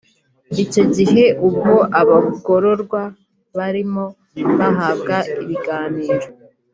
Icyo gihe ubwo abagororwa barimo bahabwa ibiganiro